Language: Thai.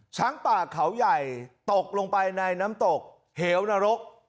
ช้างป่าเขาใหญ่ตกลงไปในน้ำตกเหวนรก